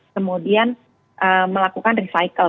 kemudian melakukan recycle